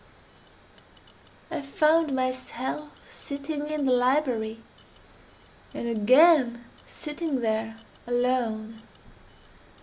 I found myself sitting in the library, and again sitting there alone.